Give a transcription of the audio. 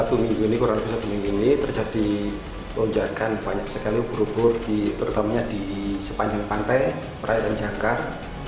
ubur ubur yang terjadi di sepanjang pantai perairan jangkar